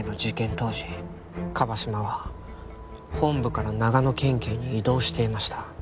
当時椛島は本部から長野県警に異動していました。